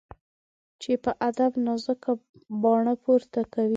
چي په ادب نازک باڼه پورته کوي